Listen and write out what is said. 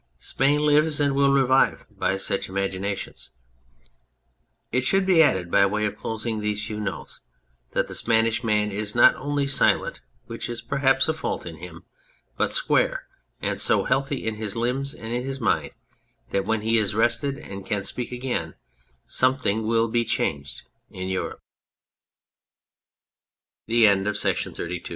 Spain lives, and will revive by such imaginations. It should be added, by way of closing these few notes, that the Spanish man is not only silent (which is perhaps a fault in him) but square, and so healthy in his limbs and in his mind that when he is rested and can speak again s